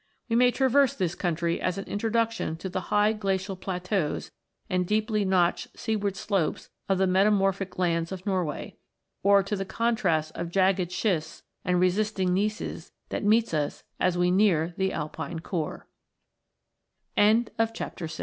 We may traverse this country as an introduction to the high glacial plateaus and deeply notched seaward slopes of the metamorphic lands of Norway ; or to the contrasts of jagged schists and resisting gneisses that meets us as we nea